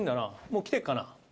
もう来てっかな？